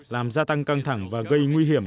làm gia tăng căng thẳng và gây nguy hiểm